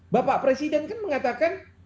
bapak presiden kan mengatakan